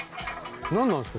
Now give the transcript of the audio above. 何なんですか？